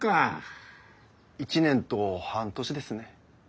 １年と半年ですね。